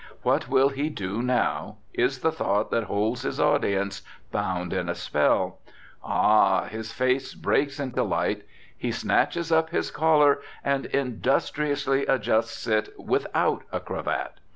What will he do now? is the thought that holds his audience bound in a spell. Ah! His face breaks into light. He snatches up his collar and industriously adjusts it without a cravat.